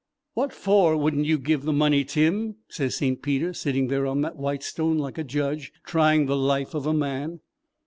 'What for would n't you give the money, Tim?' sez St. Peter, sitting there on that white stone like a judge trying the life of a man.